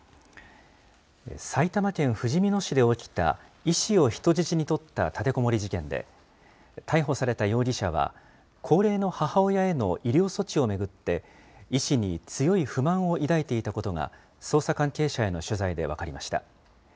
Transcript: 埼玉県ふじみ野市で起きた医師を人質に取った立てこもり事件で、逮捕された容疑者は、高齢の母親への医療措置を巡って、医師に強い不満を抱いていたことが、捜査関係者への取材で分かりました。